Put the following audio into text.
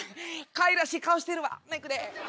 かわいらしい顔してるわほないくで。